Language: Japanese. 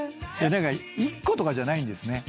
１個とかじゃないんですね。